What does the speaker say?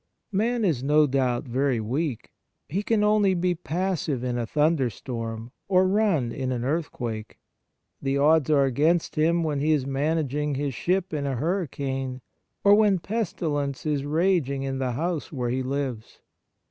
Man is no doubt very weak. He can only be passive in a thunderstorm, or run in an earthquake. The odds are against him when he is managing his ship in a hurri cane, or when pestilence is raging in the house where he lives.